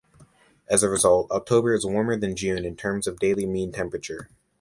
As a result, October is warmer than June in terms of daily mean temperature.